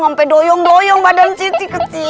sampai doyong doyong badan citi kecil